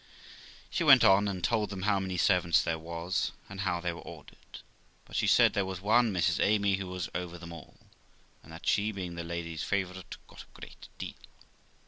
She went on, and told them how many servants there was, and how they were ordered; but, she said, there was one Mrs Amy who was over them all ; and that she, being the lady's favourite, got a great deal.